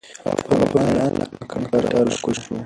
هغه په مېړانه له کټه راکوز شو.